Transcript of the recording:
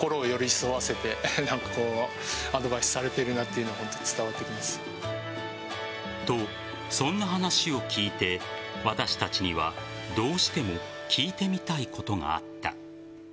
その証拠に。と、そんな話を聞いて私たちには、どうしても聞いてみたいことがあった。